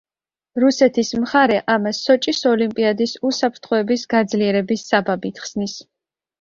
რუსეთის მხარე ამას „სოჭის ოლიმპიადის უსაფრთხოების გაძლიერების“ საბაბით ხსნის.